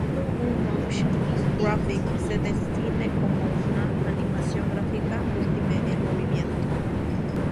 Resumiendo, un "motion graphic" se define como una animación gráfica multimedia en movimiento.